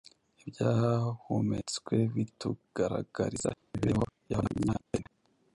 Ibyahumetswe bitugaragariza imibereho y’Abanyatene